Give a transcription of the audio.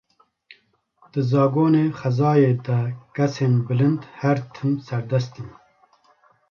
Di zagonê xwezayê de kesên bilind her tim serdest in.